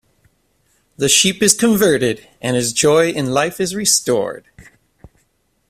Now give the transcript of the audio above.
The sheep is converted and his joy in life is restored.